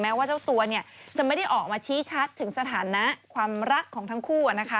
ว่าเจ้าตัวเนี่ยจะไม่ได้ออกมาชี้ชัดถึงสถานะความรักของทั้งคู่นะคะ